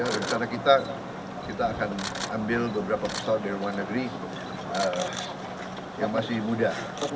rencana kita kita akan ambil beberapa pesawat dari luar negeri yang masih muda